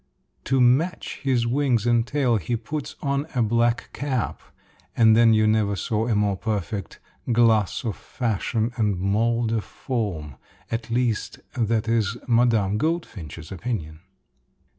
To match his wings and tail, he puts on a black cap, and then you never saw a more perfect "glass of fashion and mold of form" at least that is Mme. Goldfinch's opinion.